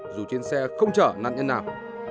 dù trên xe không chở nạn nhân nào